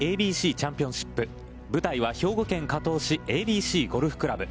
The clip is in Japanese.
ＡＢＣチャンピオンシップ、舞台は、兵庫県加東市ＡＢＣゴルフ倶楽部。